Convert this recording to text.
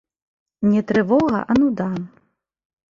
Не трывога, а нуда.